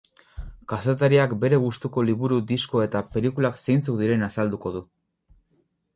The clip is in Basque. Kazetariak bere gustuko liburu, disko eta pelikulak zeintzuk diren azalduko du.